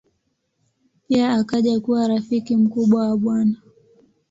Pia akaja kuwa rafiki mkubwa wa Bw.